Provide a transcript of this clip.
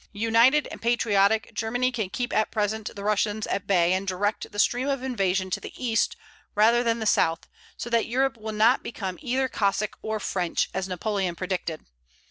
United and patriotic, Germany can keep at present the Russians at bay, and direct the stream of invasion to the East rather than the south; so that Europe will not become either Cossack or French, as Napoleon predicted.